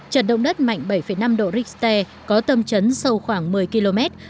trận động đất mạnh bảy năm độ richter có tâm trấn sâu khoảng một mươi km